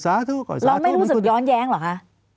เราไม่รู้สึกย้อนแย้งเหรอคะ